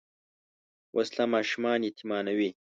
وسله ماشومان یتیمانوي